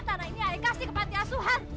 apakah ini ayah kasih ke patiasuhan